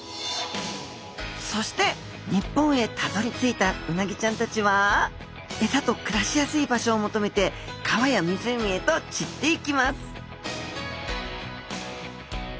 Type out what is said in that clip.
そして日本へたどりついたうなぎちゃんたちはエサと暮らしやすい場所を求めて川や湖へと散っていきます